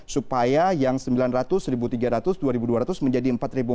supaya yang sembilan ratus seribu tiga ratus dua ribu dua ratus menjadi empat ribu empat ratus